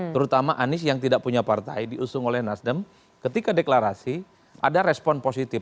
terutama anies yang tidak punya partai diusung oleh nasdem ketika deklarasi ada respon positif